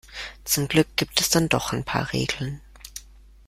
Zum Glück gibt es dann doch ein paar Regeln.